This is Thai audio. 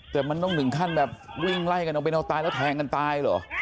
แต่มันต้องถึงขั้นแบบวิ่งไล่กันเอาเป็นเอาตายแล้วแทงกันตายเหรอ